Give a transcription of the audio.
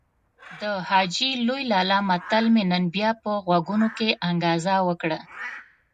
د حاجي لوی لالا متل مې نن بيا په غوږونو کې انګازه وکړه.